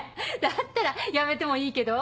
だったらやめてもいいけど。